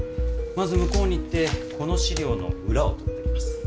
まず向こうに行ってこの資料の裏を取ってきます。